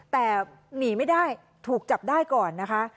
แต่หนีไม่ได้ถูกจับได้ก่อนนะคะ